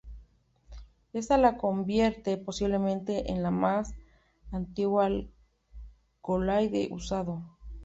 Esto la convierte, posiblemente, en el más antiguo alcaloide usado.